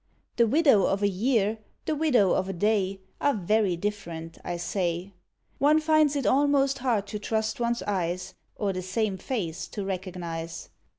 The widow of a year, the widow of a day, Are very different, I say: One finds it almost hard to trust one's eyes, Or the same face to recognise.